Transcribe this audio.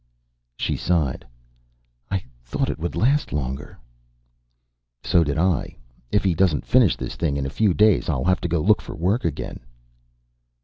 She sighed. "I thought it would last longer." "So did I. If he doesn't finish this thing in a few days, I'll have to go look for work again."